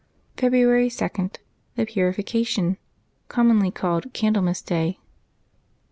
February 2.— THE PURIFICATION, COMMONLY CALLED CANDLEMAS DAY.